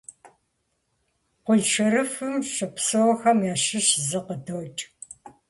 Къулъшырыфым щыпсэухэм ящыщ зы къыдокӀ.